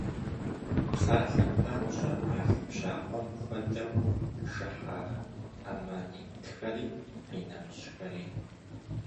Псалъэм папщӏэ, мэл бжьакъуэм хуэдэу шыхьа аммонитхэри къинэмыщӏхэри.